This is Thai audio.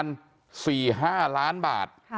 ความปลอดภัยของนายอภิรักษ์และครอบครัวด้วยซ้ำ